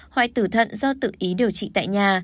hoại tử thận do tự ý điều trị tại nhà